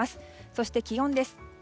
そして、気温です。